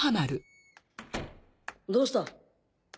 どうした？